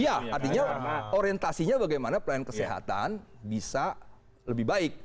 iya artinya orientasinya bagaimana pelayanan kesehatan bisa lebih baik